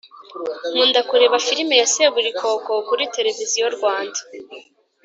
Nkunda kureba filime ya seburikoko kuri televiziyo Rwanda